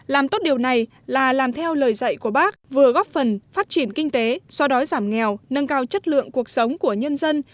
làm tốt điều này là làm theo lời dạy của bác vừa góp phần phát triển kinh tế so đói giảm nghèo nâng cao chất lượng cuộc sống của nhân dân